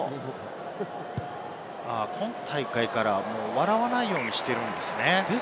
今大会から笑わないようにしているんですね。